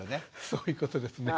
そういうことですね。